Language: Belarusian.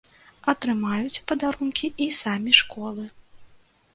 Атрымаюць падарункі і самі школы.